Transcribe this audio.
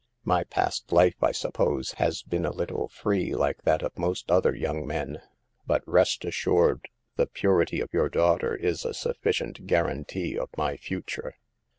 My past life, I sup pose, has been a little free, like that of most other young men; but rest assured the purity of your daughter is a sufficient guar antee of my future.